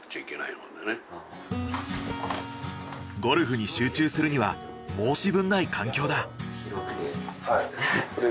ゴルフに集中するには申し分ない環境だ。